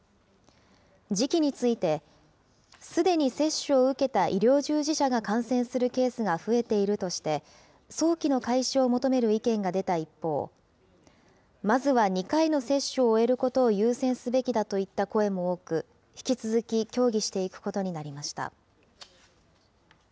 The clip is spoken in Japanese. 時期について、すでに接種を受けた医療従事者が感染するケースが増えているとして、早期の開始を求める意見が出た一方、まずは２回の接種を終えることを優先すべきだといった声も多く、引き続き協議していくことになりました。